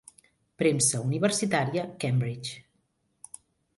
Premsa Universitària Cambridge.